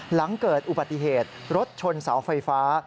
หลังเกิดอุบัติเหตุรถชนเสาไฟฟ้า